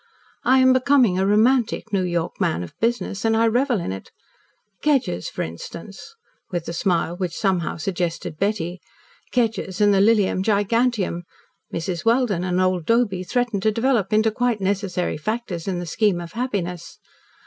I am becoming a romantic New York man of business, and I revel in it. Kedgers, for instance," with the smile which, somehow, suggested Betty, "Kedgers and the Lilium Giganteum, Mrs. Welden and old Doby threaten to develop into quite necessary factors in the scheme of happiness.